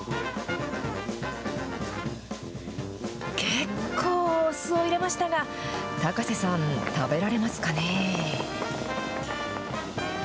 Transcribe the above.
結構お酢を入れましたが、高瀬さん、食べられますかね。